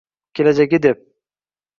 Kelajagi deb